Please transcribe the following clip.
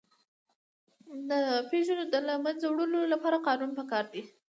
د پيژو د له منځه وړلو لپاره قانون پکار دی.